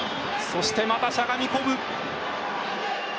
そしてまたしゃがみ込む。